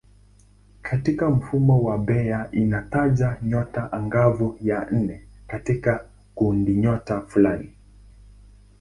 Katika mfumo wa Bayer inataja nyota angavu ya nne katika kundinyota fulani.